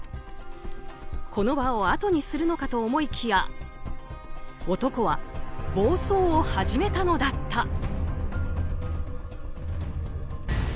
この場をあとにするのかと思いきや男は暴走を始めたのだった。